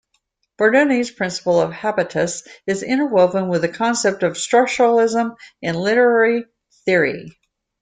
Bourdieu's principle of habitus is interwoven with the concept of structuralism in literary theory.